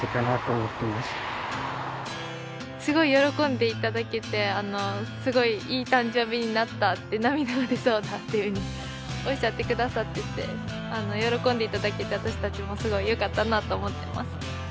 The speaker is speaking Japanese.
すごい喜んでいただけてすごいいい誕生日になったって涙が出そうだっていうふうにおっしゃってくださってて喜んでいただけて私達もすごいよかったなと思ってます